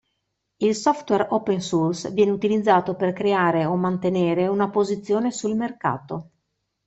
Il software open source viene utilizzato per creare o mantenere una posizione sul mercato.